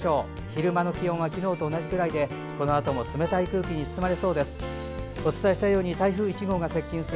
昼間の気温は昨日と同じくらいでこのあとも冷たい空気に包まれそうです。